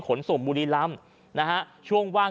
ขนส่งบุรีลำนะฮะช่วงว่าง